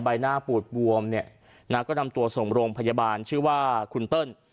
ใบหน้าปูดบวมเนี่ยนะก็นำตัวส่งโรงพยาบาลชื่อว่าคุณเติ้ล